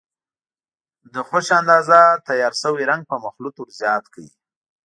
د خوښې اندازه تیار شوی رنګ په مخلوط ور زیات کړئ.